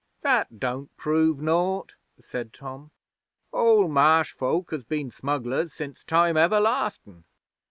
'That don't prove naught,' said Tom. 'All Marsh folk has been smugglers since time everlastin'.